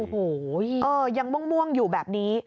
โอ้โหยังม่วงอยู่แบบนี้